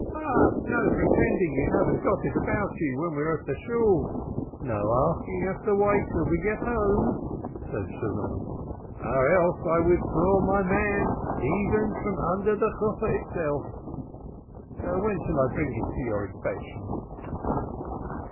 "But no pretending you haven't got it about you, when we're at the Shool, no asking us to wait till we get home," said Sugarman, "or else I withdraw my man, even from under the Chuppah itself. When shall I bring him for your inspection?"